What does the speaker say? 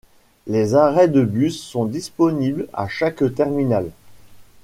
Les arrêts de bus sont disponibles à chaque terminal.